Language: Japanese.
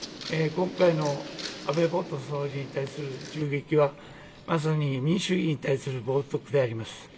今回の安倍元総理に対する銃撃は民主主義に対する冒とくであります。